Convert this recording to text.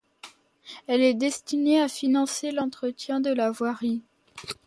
Elle est destinée à financer l'entretien de la voirie.